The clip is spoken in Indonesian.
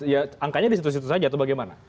ya angkanya disitu situ saja atau bagaimana